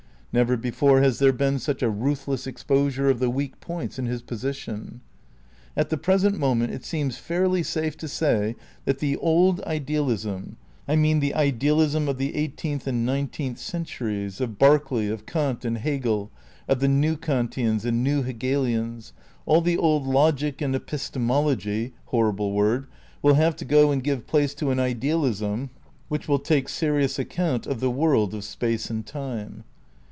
Never before has there been such a ruthless exposure of the weak points in his position. At the present moment it seems fairly safe to say that the Old Idealism, I mean the Idealism of the eighteenth and nineteenth centuries, of Berkeley, of Kant and Hegel, of the new Kantians and new Hegelians, all the old logic and epistemology (horrible word) will have to go and give place to an idealism which will take serious account of the world of space and time.